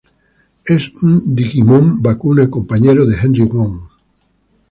Es un Digimon vacuna, compañero de Henry Wong.